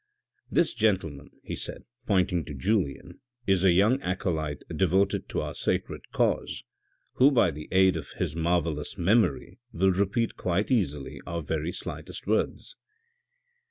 This gentleman," he said, pointing to Julien, " is a young acolyte devoted to our sacred cause who by the aid of his marvellous memory will repeat quite easily our very slightest words."